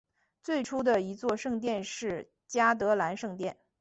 最初的一座圣殿是嘉德兰圣殿。